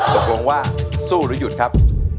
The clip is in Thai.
ตกลงว่าสู้หรือหยุดครับ